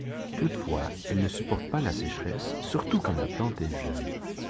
Toutefois, elle ne supporte pas la sécheresse, surtout quand la plante est jeune.